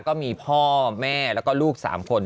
ก็มีพ่อแม่แล้วก็ลูก๓คน